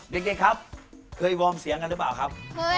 เด็กครับเคยวอร์มเสียงกันหรือเปล่าครับ